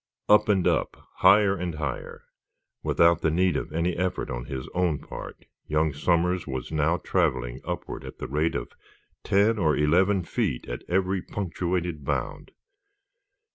Up and up—higher and higher! Without the need of any effort on his own part young Somers was now traveling upward at the rate of ten or eleven feet at every punctuated bound.